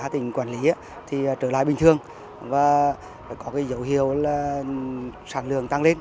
tình quản lý trở lại bình thường và có dấu hiệu sản lượng tăng lên